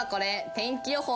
天気予報？